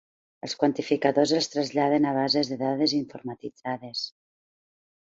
Els quantificadors els traslladen a bases de dades informatitzades.